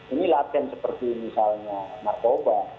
ini latihan seperti misalnya narkoba